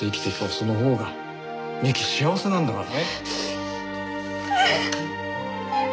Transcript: そのほうが美雪幸せなんだからね。